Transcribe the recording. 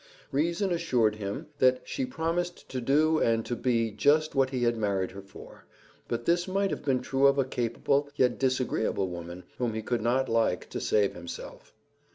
Reason assured him that she promised to do and to be just what he had married her for, but this might have been true of a capable, yet disagreeable woman whom he could not like, to save himself.